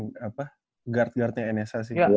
dan guard guardnya nsa sih